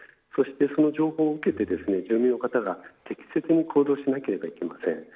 そして、その情報を受けて住民の方が適切に行動しなければなりません。